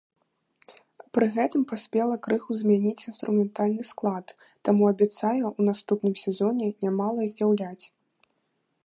Пры гэтым паспела крыху змяніць інструментальны склад, таму абяцае ў наступным сезоне нямала здзіўляць.